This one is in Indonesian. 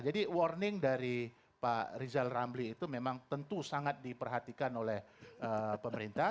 jadi warning dari pak rizal ramli itu memang tentu sangat diperhatikan oleh pemerintah